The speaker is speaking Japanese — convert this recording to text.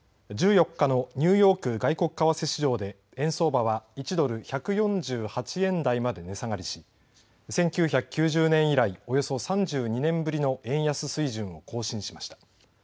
１４日のニューヨーク外国為替市場で円相場は１ドル、１４８円台まで値下がりし１９９０年以来およそ３２年ぶりの円安水準を更新しました。